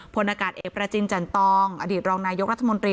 พลอากาศเอกประจินจันตองอดีตรองนายกรัฐมนตรี